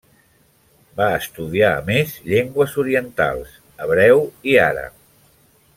Va estudiar a més llengües orientals: hebreu i àrab.